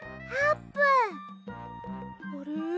あれ？